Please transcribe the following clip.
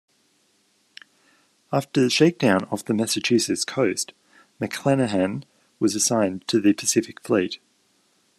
After shakedown off the Massachusetts coast, "McLanahan" was assigned to the Pacific Fleet.